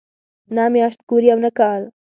نه میاشت ګوري او نه کال.